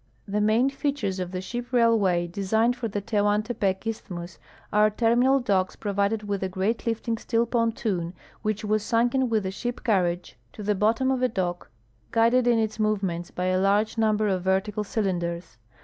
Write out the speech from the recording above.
The main features of the ship railway designed for the Tehuan tepec isthmus are terminal docks jirovided with a great lifting steel pontoon, which was sunken with the ship carriage to the THE TEHUANTEPEC SHIP RAILWAY 71 bottom of a dock, guided in its movements b}'' a large niimlier of vertical C}dinders.